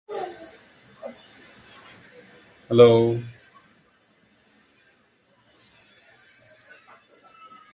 কর্তৃত্বের ধারণাটি Gregor Johann Mendel প্রবর্তন করেন।